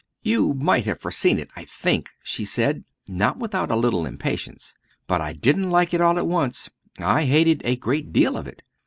"You might have foreseen it, I think," she said, not without a little impatience. "But I didn't like it all at once. I hated a great deal of it.